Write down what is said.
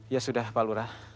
ya sudah pak lura